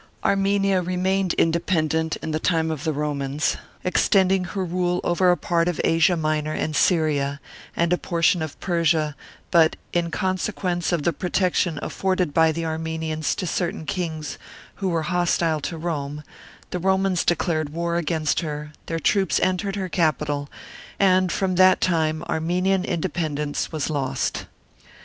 Armenia remained independent in the time of the Romans, extending her rule over a part of Asia Minor and Syria, and a portion of Persia, but, in consequence of the protection afforded by the Armenians to certain kings who were hostile to Rome, the Romans declared war against her, their troops entered her capital, and from that time Armenian independence was lost.